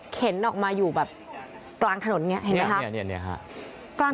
เข็นออกมาอยู่แบบกลางถนนนี้เห็นไหมครับ